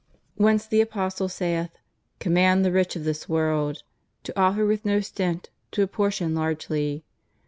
Whence the Apostle saith. Command the rich of this world ... to offer with no stint, to apportion largely."